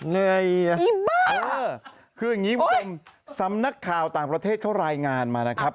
เลยอีบ้าเออคืออย่างนี้มุ่งซ้ำนักข่าวต่างประเทศเขารายงานมานะครับ